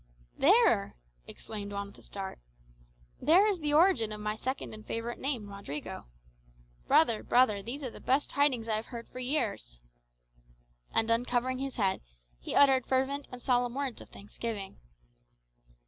"There!" Juan exclaimed with a start. "There is the origin of my second and favourite name, Rodrigo. Brother, brother, these are the best tidings I have heard for years." And uncovering his head, he uttered fervent and solemn words of thanksgiving.